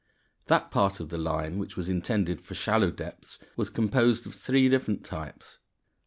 That part of the line which was intended for shallow depths was composed of three different types.